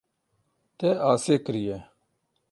Te asê kiriye.